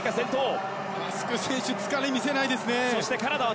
ハスク選手疲れを見せないですね。